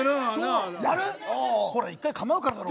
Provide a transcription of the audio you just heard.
ほら一回構うからだろ。